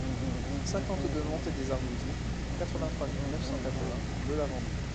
cinquante-deux montée des Arbousiers, quatre-vingt-trois mille neuf cent quatre-vingts Le Lavandou